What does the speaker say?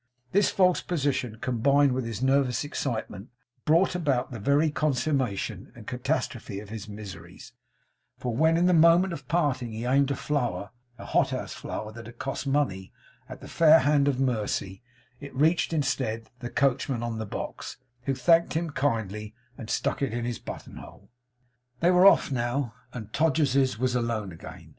This false position, combined with his nervous excitement, brought about the very consummation and catastrophe of his miseries; for when in the moment of parting he aimed a flower, a hothouse flower that had cost money, at the fair hand of Mercy, it reached, instead, the coachman on the box, who thanked him kindly, and stuck it in his buttonhole. They were off now; and Todgers's was alone again.